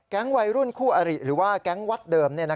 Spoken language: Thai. วัยรุ่นคู่อริหรือว่าแก๊งวัดเดิม